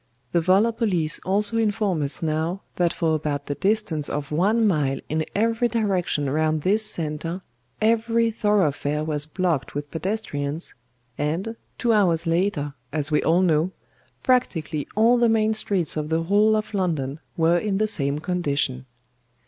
The volor police also inform us now that for about the distance of one mile in every direction round this centre every thoroughfare was blocked with pedestrians, and, two hours later, as we all know, practically all the main streets of the whole of London were in the same condition.